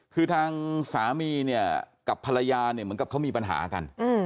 คือทางสามีเนี่ยกับภรรยาเนี่ยเหมือนกับเขามีปัญหากัน